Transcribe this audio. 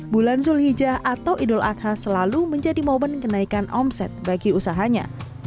bulan zulhijjah atau idul adha selalu menjadi momen kenaikan omset bagi usahanya